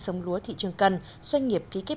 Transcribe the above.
sống lúa thị trường cần doanh nghiệp ký kết